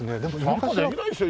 散歩できないでしょ？